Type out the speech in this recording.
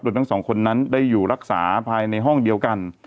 ทั้งสองคนนั้นได้อยู่รักษาภายในห้องเดียวกัน